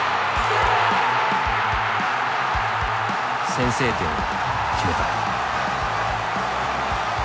先制点を決めた。